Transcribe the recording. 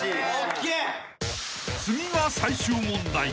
［次が最終問題］